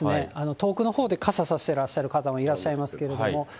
遠くのほうで傘差してらっしゃる方もいらっしゃいますけれども。